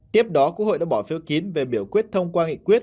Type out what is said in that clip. tiếp đó quốc hội đã bỏ phiếu kín về biểu quyết thông qua nghị quyết